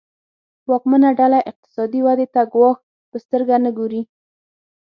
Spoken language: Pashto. واکمنه ډله اقتصادي ودې ته ګواښ په سترګه نه ګوري.